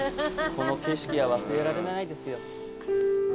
この景色は忘れられないですよ。